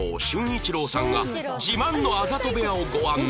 隼一郎さんが自慢のあざと部屋をご案内